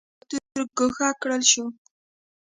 د جاپان امپراتور ګوښه کړل شو.